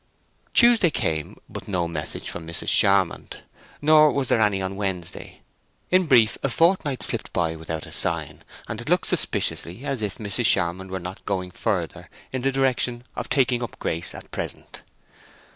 Tuesday came, but no message from Mrs. Charmond. Nor was there any on Wednesday. In brief, a fortnight slipped by without a sign, and it looked suspiciously as if Mrs. Charmond were not going further in the direction of "taking up" Grace at present.